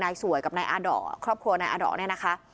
สวยกับนายอาด่อครอบครัวนายอาด่อเนี่ยนะคะ